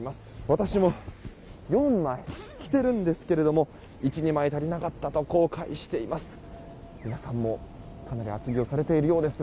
私も、４枚着てるんですけど１２枚足りなかったと後悔しています。